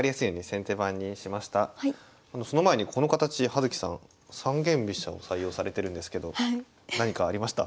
その前にこの形葉月さん三間飛車を採用されてるんですけど何かありました？